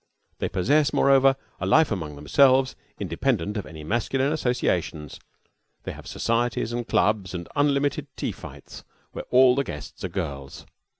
They possess, moreover, a life among themselves, independent of any masculine associations. They have societies and clubs and unlimited tea fights where all the guests are girls.